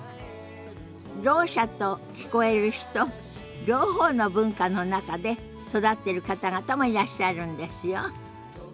ろう者と聞こえる人両方の文化の中で育ってる方々もいらっしゃるんですよ。